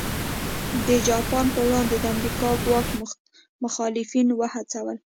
د جاپان پر وړاندې د امریکا ګواښ مخالفین وهڅول.